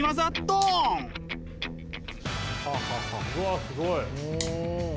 うわすごい。